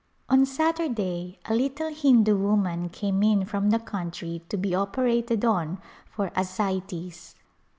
On Saturday a little Hindu woman came in from the country to be operated on for ascites.